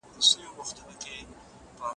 د کمپیوټر ساینس پوهنځۍ بې ارزوني نه تایید کیږي.